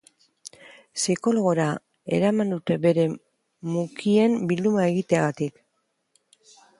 Psikologora eraman dute bere mukien bilduma egiteagatik.